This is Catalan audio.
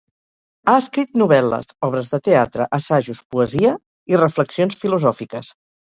Ha escrit novel·les, obres de teatre, assajos, poesia i reflexions filosòfiques.